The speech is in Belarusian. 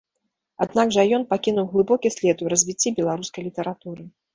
Аднак жа ён пакінуў глыбокі след у развіцці беларускай літаратуры.